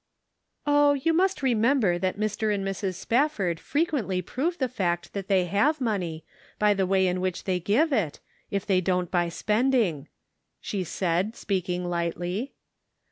" Oh, you must remember that Mr. and Mrs. Spafford frequently prove the fact that they " Q ood Measure" 511 have money, by the way in which they give it, if they don't by spending," she said, speak ing lightly.